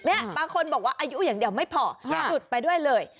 บางคนบอกว่าอายุอย่างเดียวไม่พอหลุดไปด้วยเลย